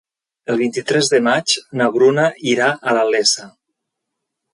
El vint-i-tres de maig na Bruna irà a la Iessa.